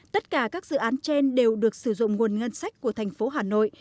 tất cả các dự án trên đều được sử dụng nguồn ngân sách của thành phố hà nội